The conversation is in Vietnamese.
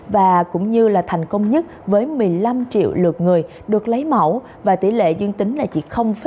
và cũng như là thành công nhất với một mươi năm triệu lượt người được lấy mẫu và tỷ lệ dương tính là chỉ một